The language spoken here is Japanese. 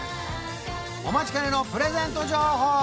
お待ちかねのプレゼント情報